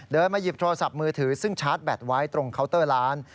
มาหยิบโทรศัพท์มือถือซึ่งชาร์จแบตไว้ตรงเคาน์เตอร์ร้าน